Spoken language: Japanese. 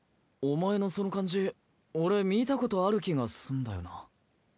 お前のその感じ俺見たことある気がすんだよな。